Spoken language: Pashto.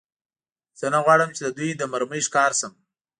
زه نه غواړم، چې د دوی د مرمۍ ښکار شم.